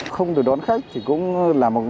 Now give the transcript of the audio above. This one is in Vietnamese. không được đón khách thì cũng là một